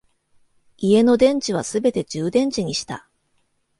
家の電池はすべて充電池にした